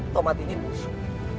tomat ini busuk